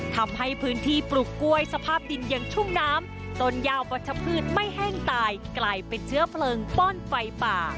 ทำให้พื้นที่ปลูกกล้วยสภาพดินยังชุ่มน้ำต้นยาววัชพืชไม่แห้งตายกลายเป็นเชื้อเพลิงป้อนไฟป่า